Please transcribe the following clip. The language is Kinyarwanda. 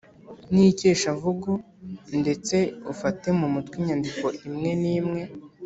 n’ikeshamvugo ndetse ufate mu mutwe imyandiko imwe n’imwe.